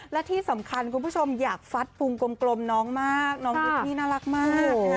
และที่สำคัญคุณผู้ชมอยากฟัดฟูงกลมน้องมากน้องนิดนี่น่ารักมาก